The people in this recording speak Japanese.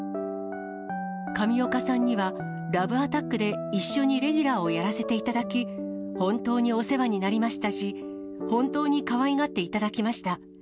上岡さんにはラブアタックで一緒にレギュラーをやらせていただき、本当にお世話になりましたし、本当にかわいがっていただきました。